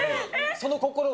その心は？